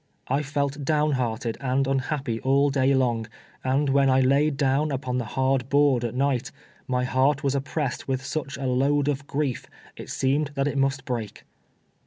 I felt down hearted and unhappy all day long, and when I laid down upon the hard board at night, my heart was oppressed with such a load of grief, it seemed that it must break.